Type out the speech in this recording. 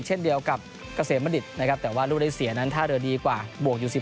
เช่นเดียวกับเกษมบัณฑิตนะครับแต่ว่าลูกได้เสียนั้นท่าเรือดีกว่าบวกอยู่๑๐